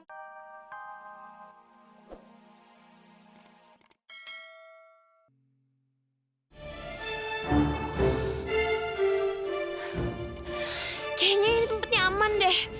kayaknya ini tempatnya aman deh